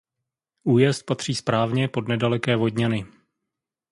Újezd patří správně pod nedaleké Vodňany.